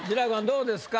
どうですか？